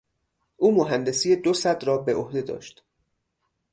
او مهندسی دو سد را بعهده داشت.